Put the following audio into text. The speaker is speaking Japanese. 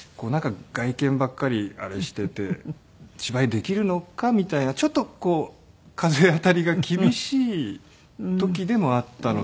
外見ばっかりあれしていて芝居できるのかみたいなちょっと風当たりが厳しい時でもあったので。